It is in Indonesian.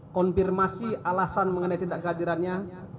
konfirmasi alasan mengenai tidak kehadirannya